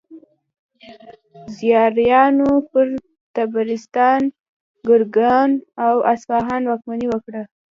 زیاریانو پر طبرستان، ګرګان او اصفهان واکمني وکړه.